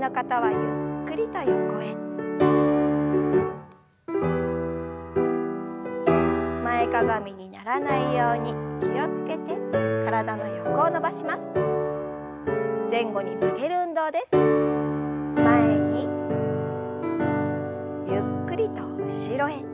ゆっくりと後ろへ。